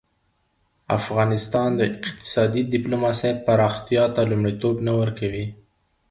افغانستان د اقتصادي دیپلوماسۍ پراختیا ته لومړیتوب نه ورکوي.